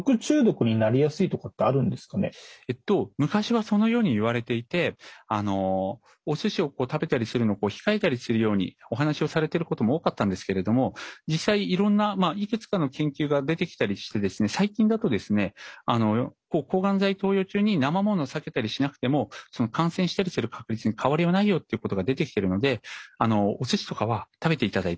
昔はそのようにいわれていてお寿司を食べたりするのを控えたりするようにお話をされてることも多かったんですけれども実際いろんないくつかの研究が出てきたりしてですね最近だとですね抗がん剤投与中になまものを避けたりしなくても感染したりする確率に変わりはないよっていうことが出てきているのでお寿司とかは食べていただいて大丈夫です。